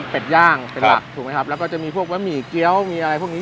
เป็นย่างเป็นหลักถูกไหมครับแล้วก็จะมีพวกบะหมี่เกี้ยวมีอะไรพวกนี้